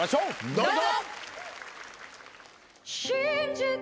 どうぞ！